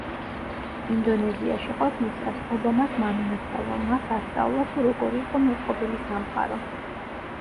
ინდონეზიაში ყოფნისას, ობამას მამინაცვალმა მას „ასწავლა, თუ როგორ იყო მოწყობილი სამყარო“.